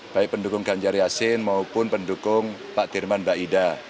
baik pendukung ganjar yasin maupun pendukung pak dirman baida